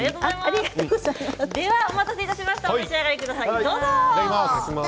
では、お待たせしましたお召し上がりください、どうぞ。